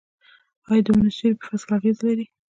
آیا د ونو سیوری په فصل اغیز لري؟